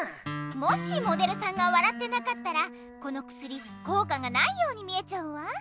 もしモデルさんが笑ってなかったらこのくすりこうかがないように見えちゃうわ。